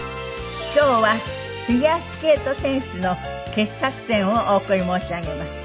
今日はフィギュアスケート選手の傑作選をお送り申し上げます。